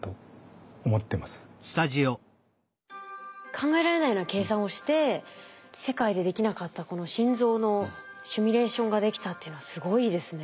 考えられないような計算をして世界でできなかったこの心臓のシミュレーションができたっていうのはすごいですね。